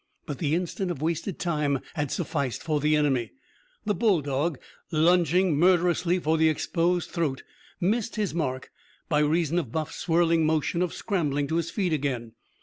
But the instant of wasted time had sufficed for the enemy. The bulldog, lunging murderously for the exposed throat, missed his mark by reason of Buff's swirling motion of scrambling to his feet again.